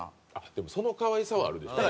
でもその可愛さはある。